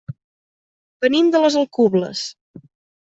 Venim de les Alcubles.